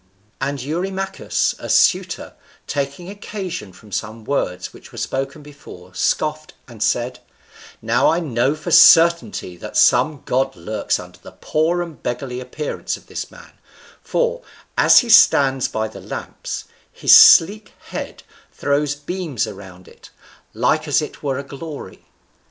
And Eurymachus, a suitor, taking occasion from some words which were spoken before, scoffed, and said, "Now I know for a certainty that some god lurks under the poor and beggarly appearance of this man, for, as he stands by the lamps, his sleek head throws beams around it, like as it were a glory."